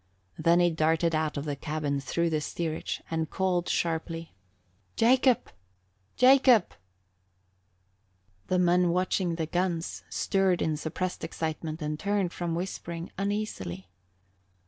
Then he darted out of the cabin through the steerage and called sharply, "Jacob! Jacob!" The men watching at the guns stirred in suppressed excitement and turned from whispering uneasily.